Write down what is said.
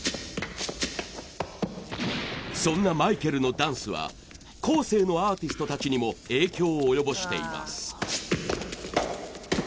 そんなマイケルのダンスは後世のアーティストたちにも影響を及ぼしています。